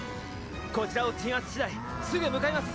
こちらを鎮圧しだいすぐ向かいます！